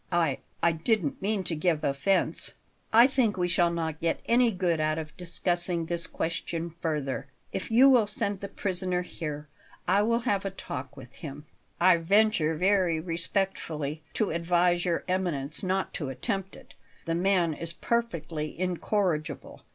"I I didn't mean to give offence " "I think we shall not get any good out of discussing this question further. If you will send the prisoner here, I will have a talk with him." "I venture very respectfully to advise Your Eminence not to attempt it. The man is perfectly incorrigible.